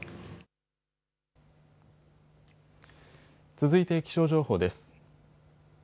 続いて気象情報です。